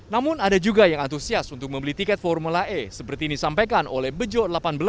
namun ada juga yang antusias untuk membeli tiket formula e seperti yang disampaikan oleh bejo delapan belas